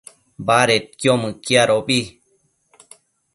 badedquio mëquiadobi